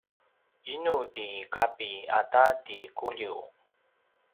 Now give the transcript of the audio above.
inu ti Kapi ata ti Kuliu?